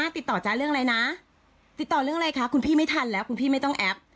ติดต่อจ๊ะเรื่องอะไรนะติดต่อเรื่องอะไรคะคุณพี่ไม่ทันแล้วคุณพี่ไม่ต้องแอป